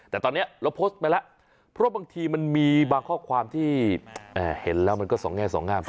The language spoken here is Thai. แต่ตอนนี้เราโพสต์ไปแล้วเพราะบางทีมันมีบางข้อความที่เห็นแล้วมันก็สองแง่สองงาม